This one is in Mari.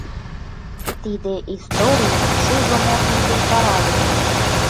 — Тиде историй шужымо ий деч вара лийын.